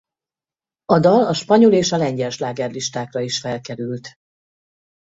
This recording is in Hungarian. A dal a spanyol és lengyel slágerlistákre is felkerült.